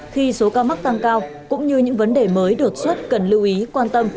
khi số ca mắc tăng cao cũng như những vấn đề mới đột xuất cần lưu ý quan tâm